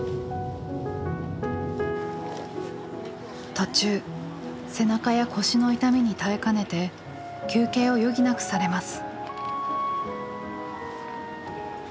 途中背中や腰の痛みに耐えかねて休憩を余儀なくされます。